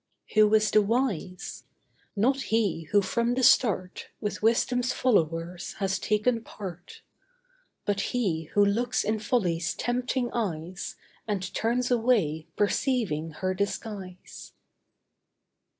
Who is the wise? Not he who from the start With Wisdom's followers has taken part; But he who looks in Folly's tempting eyes, And turns away, perceiving her disguise.